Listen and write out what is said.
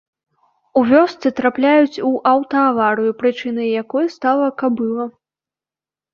У вёсцы трапляюць у аўта-аварыю, прычынай якой стала кабыла.